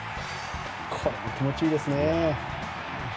これも気持ちいいですね。